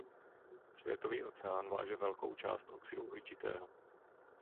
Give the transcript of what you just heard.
Světový oceán váže velkou část oxidu uhličitého.